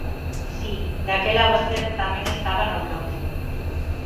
Si, daquela vostede tamén estaba no Bloque.